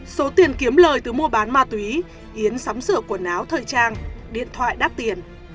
số tiền kiếm lời từ mua bán ma túy yến sắm sửa quần áo thời trang điện thoại đắt tiền